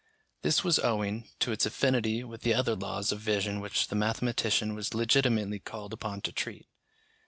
This was owing to its affinity with the other laws of vision which the mathematician was legitimately called upon to treat.